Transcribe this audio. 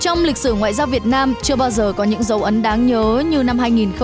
trong lịch sử ngoại giao việt nam chưa bao giờ có những dấu ấn đáng nhớ như năm hai nghìn một mươi ba